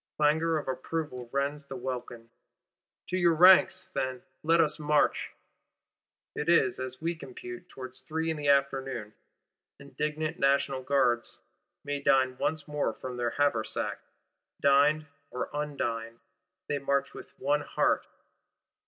Clangour of approval rends the welkin. To your ranks, then; let us march! It is, as we compute, towards three in the afternoon. Indignant National Guards may dine for once from their haversack: dined or undined, they march with one heart.